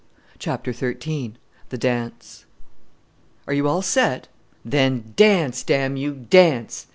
CHAPTER XIII THE DANCE "Are you all set? Then dance! damn you, dance!